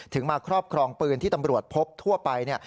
มาครอบครองปืนที่ตำรวจพบทั่วไป